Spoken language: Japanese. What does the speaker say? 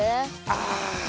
ああ。